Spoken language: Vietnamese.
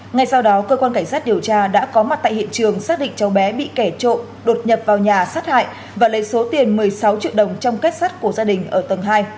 ngay sau đó cơ quan cảnh sát điều tra đã có mặt tại hiện trường xác định cháu bé bị kẻ trộm đột nhập vào nhà sát hại và lấy số tiền một mươi sáu triệu đồng trong kết sắt của gia đình ở tầng hai